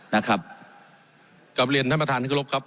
นะครับกลับเรียนท่านประธานที่กรบครับ